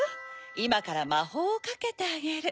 いまからまほうをかけてあげる。